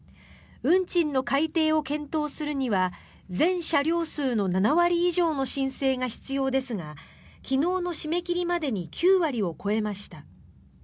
運賃の改定を検討するには全車両数の７割以上の申請が必要ですが昨日の締め切りまでに９割を超えました。